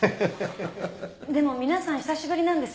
でも皆さん久しぶりなんですよね？